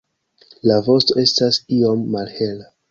La vosto estas iom malhela.